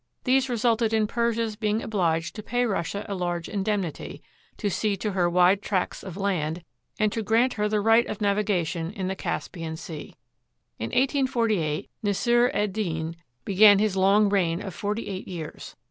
These resulted in Persia's being obliged to pay Russia a large indemnity, to cede to her wide tracts of land, and to grant her the right of navigation in the Caspian Sea. In 1848 Nasr 'd Din began his long reign of forty eight years.